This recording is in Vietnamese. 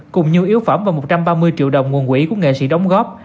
cùng nhiều yếu phẩm và một trăm ba mươi triệu đồng nguồn quỹ của nghệ sĩ đóng góp